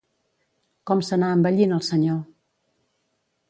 Com s'anà envellint el senyor?